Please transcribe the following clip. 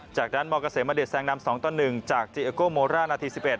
จากนั้นมกาเสมอดิตแสงนำ๒ต่อ๑จากเจอิกโกโมร่านาที๑๑